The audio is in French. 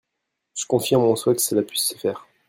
Je confirme mon souhait que cela puisse se faire.